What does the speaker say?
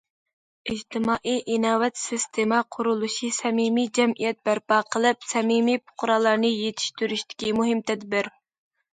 ئىجتىمائىي ئىناۋەت سىستېما قۇرۇلۇشى سەمىمىي جەمئىيەت بەرپا قىلىپ، سەمىمىي پۇقرالارنى يېتىشتۈرۈشتىكى مۇھىم تەدبىر.